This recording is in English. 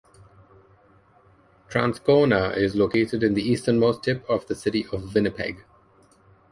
Transcona is located in the easternmost tip of the City of Winnipeg.